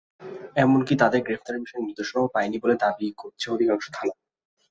এমনকি তাঁদের গ্রেপ্তারের বিষয়ে নির্দেশনাও পায়নি বলে দাবি করছে অধিকাংশ থানা।